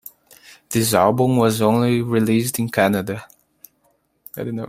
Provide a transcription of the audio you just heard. This album was only released in Canada.